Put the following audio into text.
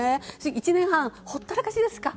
１年半、ほったらかしですか。